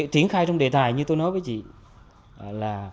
triển khai trong đề tài như tôi nói với chị là